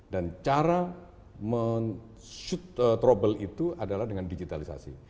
dan cara men shoot trouble itu adalah dengan digitalisasi